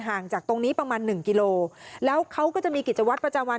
จากตรงนี้ประมาณหนึ่งกิโลแล้วเขาก็จะมีกิจวัตรประจำวัน